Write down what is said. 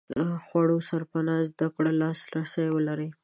خوړو سرپناه زده کړې لاس رسي ولري.